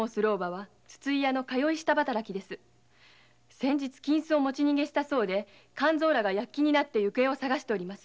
先日金子を持ち逃げしたそうで勘造らが行方を捜しております。